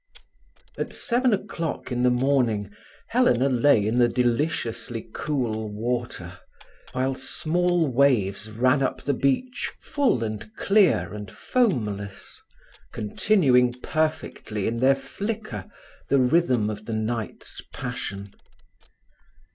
At seven o'clock in the morning Helena lay in the deliciously cool water, while small waves ran up the beach full and clear and foamless, continuing perfectly in their flicker the rhythm of the night's passion.